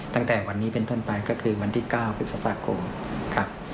ตั้งแต่วันนี้เป็นต้นไปก็คือวันที่๙พฤษภาคมครับ